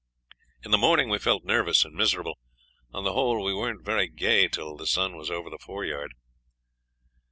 In the morning we felt nervous and miserable; on the whole we weren't very gay till the sun was over the foreyard.